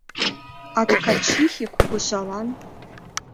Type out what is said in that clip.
А ткачихе кугыжалан